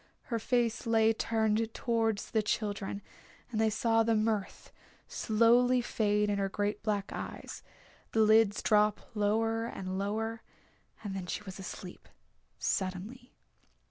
Her face lay turned towards the children, and they saw the mirth slowly fade in her great black eyes, the lids drop lower and lower, and then she was asleep suddenly.